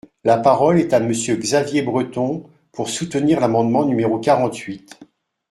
La parole est à Monsieur Xavier Breton, pour soutenir l’amendement numéro quarante-huit.